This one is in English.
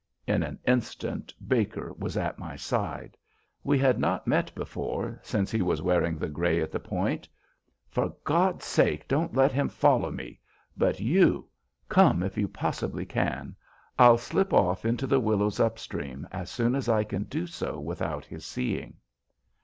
In an instant Baker was at my side. We had not met before since he was wearing the gray at the Point. "For God's sake, don't let him follow me, but you, come if you possibly can. I'll slip off into the willows up stream as soon as I can do so without his seeing."